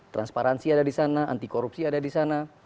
transparansi ada di sana anti korupsi ada di sana